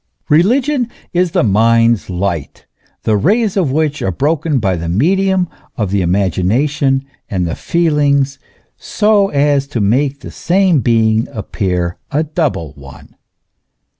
Religion is the mind's light, the rays of which are broken by the medium of the imagination and the feelings, so as to make the same being appear a double one.